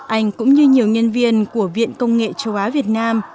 anh cũng như nhiều nhân viên của viện công nghệ châu á việt nam